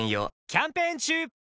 キャンペーン中！